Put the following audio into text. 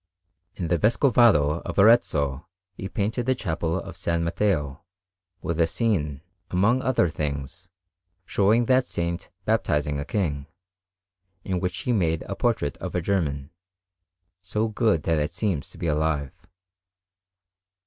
In the Vescovado of Arezzo he painted the Chapel of S. Matteo, with a scene, among other things, showing that Saint baptizing a King, in which he made a portrait of a German, so good that it seems to be alive.